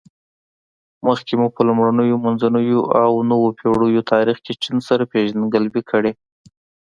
مخکې مو په لومړنیو، منځنیو او نویو پېړیو تاریخ کې چین سره پېژندګلوي کړې.